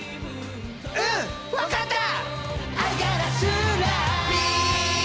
うん分かった！